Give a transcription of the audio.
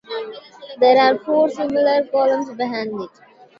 There are four smaller columns behind it.